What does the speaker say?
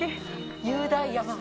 雄大山が。